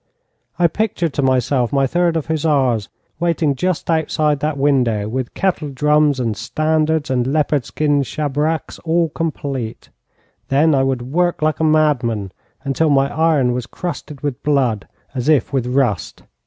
I pictured to myself my Third of Hussars waiting just outside that window, with kettle drums and standards and leopard skin schabraques all complete. Then I would work like a madman, until my iron was crusted with blood, as if with rust.